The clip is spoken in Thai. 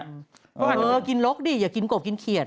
เออกินลกดิอย่ากินกบกินเขียด